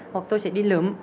hoặc tôi sẽ đi lượm